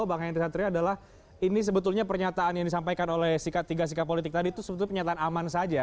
bang henry satria adalah ini sebetulnya pernyataan yang disampaikan oleh sikat tiga sikap politik tadi itu sebetulnya pernyataan aman saja